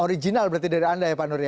original berarti dari anda ya pak nur ya